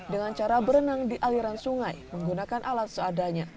dengan cara berenang di aliran sungai menggunakan alat seadanya